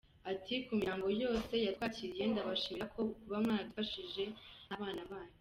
Ati: “Ku miryango yose yatwakiriye, ndabashimira kuba mwaradufashe nk’abana banyu.